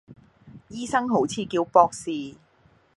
醫生好似叫博士